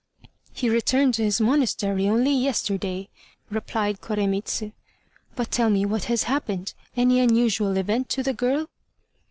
"He returned to his monastery only yesterday," replied Koremitz. "But tell me what has happened; any unusual event to the girl?"